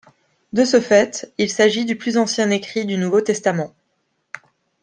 De ce fait, il s'agit du plus ancien écrit du Nouveau Testament.